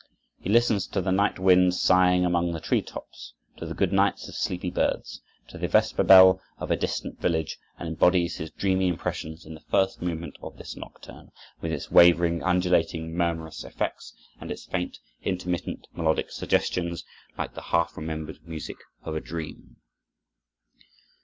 He listens to the night wind sighing among the tree tops, to the good nights of sleepy birds, to the vesper bell of a distant village, and embodies his dreamy impressions in the first movement of this nocturne, with its wavering, undulating murmurous effects, and its faint, intermittent melodic suggestions, like the half remembered music of a dream.